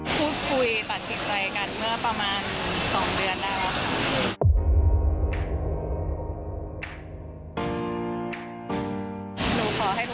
พูดคุยตัดสินใจกันเมื่อประมาณ๒เดือนแล้วค่ะ